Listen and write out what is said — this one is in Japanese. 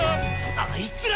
あいつら！